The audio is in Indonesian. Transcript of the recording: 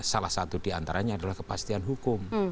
salah satu diantaranya adalah kepastian hukum